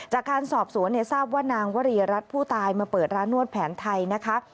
จากการสอบสวนทราบว่านางวรีรัฐผู้ตายมาเปิดร้านนวดแผนไทยนะคะ